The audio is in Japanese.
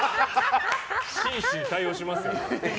真摯に対応しますよ。